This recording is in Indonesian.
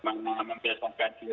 bagaimana membiasakan itu untuk